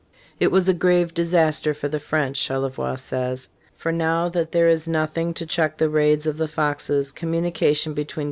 }: "It was a grave disaster for the French," Charlevoix says; "for now that there is nothing to check the raids of the Foxes, communication between